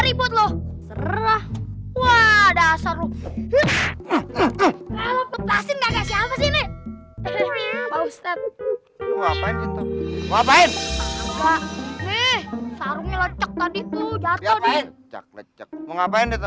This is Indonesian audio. ribut loh serah wah dasar lu lupakan nggak siapa sini lupa ustadz ngapain ngapain nih